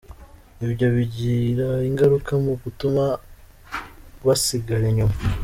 Ibyo bigira ingaruka mu gutuma basigara inyuma.